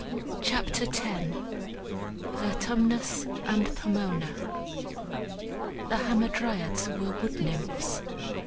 CHAPTER X VERTUMNUS AND POMONA The Hamadryads were Wood nymphs.